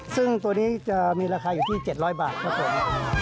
ซึ่งตัวนี้จะมีราคาอยู่ที่๗๐๐บาทครับผม